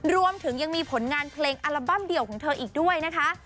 รวมถึงยังมีผลงานเพลงอัลบั้มเดี่ยวของเธออีกด้วยนะคะ